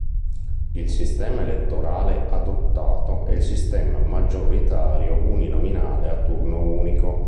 Il sistema elettorale adottato è il sistema maggioritario uninominale a turno unico.